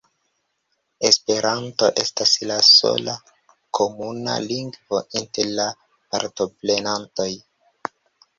Esperanto estas la sola komuna lingvo inter la partoprenantoj.